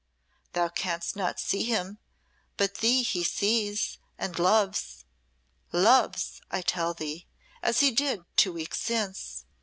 Thou canst not see him, but thee he sees, and loves loves, I tell thee, as he did two weeks since.